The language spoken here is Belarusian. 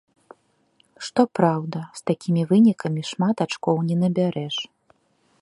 Што праўда, з такімі вынікамі шмат ачкоў не набярэш.